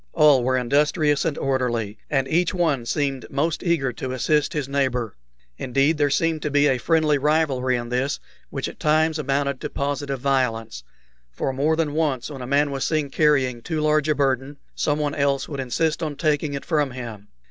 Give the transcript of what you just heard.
All were industrious and orderly, and each one seemed most eager to assist his neighbor. Indeed, there seemed to be a friendly rivalry in this which at times amounted to positive violence; for more than once when a man was seen carrying too large a burden, someone else would insist on taking it from him.